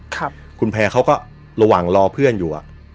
ครับคุณแพร่เขาก็ระหว่างรอเพื่อนอยู่อ่ะ